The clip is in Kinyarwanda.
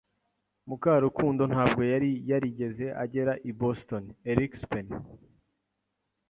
Mukarukundo ntabwo yari yarigeze agera i Boston. (erikspen)